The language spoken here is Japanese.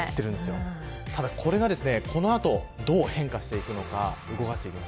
ただ、これがこの後どう変化していくのか。